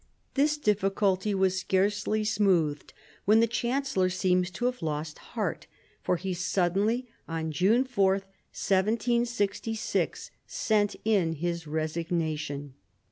This difficulty was scarcely smoothed when the chancellor seems to have lost heart, for he suddenly, on June 4, 1766, sent in his resignation.